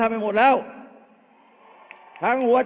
เอาข้างหลังลงซ้าย